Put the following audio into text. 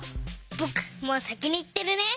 ぼくもうさきにいってるね。